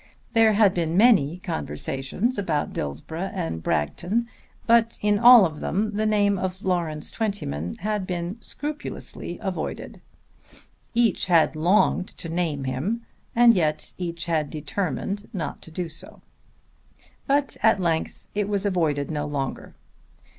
There had been many conversations about Dillsborough and Bragton, but in all of them the name of Lawrence Twentyman had been scrupulously avoided. Each had longed to name him, and yet each had determined not to do so. But at length it was avoided no longer.